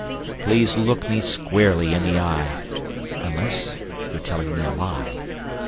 Please look me squarely in the eye Unless you're telling me a lie.